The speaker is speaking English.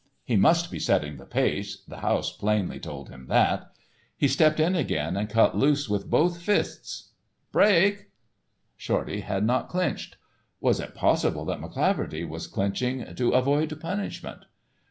He must be setting the pace, the house plainly told him that. He stepped in again and cut loose with both fists. "Break!" Shorty had not clinched. Was it possible that McCleaverty was clinching "to avoid punishment."